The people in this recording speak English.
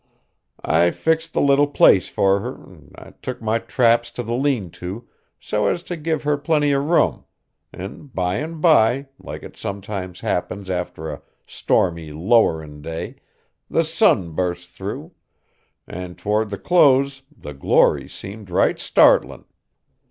I fixed the little place fur her, an' I took my traps t' the lean to so as t' give her plenty o' room, an' by an' by, like it sometimes happens after a stormy, lowerin' day, the sun bu'st through, an' toward the close the glory seemed right startlin'.